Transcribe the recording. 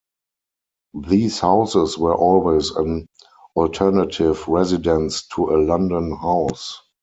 These houses were always an alternative residence to a London house.